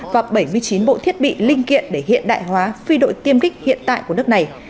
và bảy mươi chín bộ thiết bị linh kiện để hiện đại hóa phi đội tiêm kích hiện tại của nước này